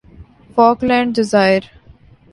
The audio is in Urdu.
فاکلینڈ جزائر